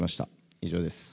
以上です。